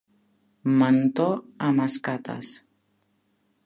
Mentó amb escates.